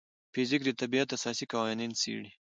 فزیک د طبیعت اساسي قوانین څېړي.